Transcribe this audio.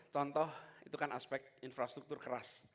contoh itu kan aspek infrastruktur keras